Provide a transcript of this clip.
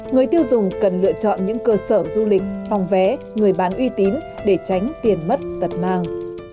người tiêu dùng cần lựa chọn những cơ sở du lịch phòng vé người bán uy tín để tránh tiền mất tật mang